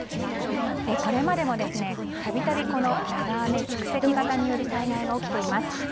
これまでも度々長雨蓄積型による災害が起きています。